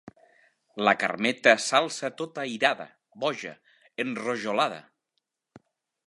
La Carmeta s'alçà tota irada, boja, enrojolada.